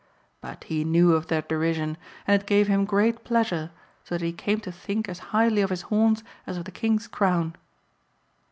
But he knew of their derision, and it gave him great pleasure, so that he came to think as highly of his horns as of the King's crown.